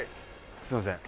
すいません。